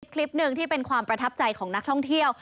คลิปหนึ่งที่เป็นความประทับใจของนักท่องเที่ยว